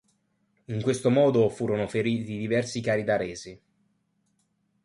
In questo modo furono feriti diversi caridaresi.